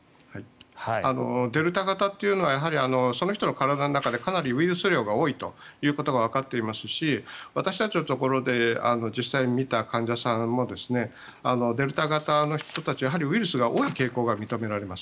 デルタ型というのはその人の体の中でかなりウイルス量が多いということがわかっていますし私たちのところで実際に診た患者さんもデルタ型の人たちはやはりウイルスが多い傾向が認められます。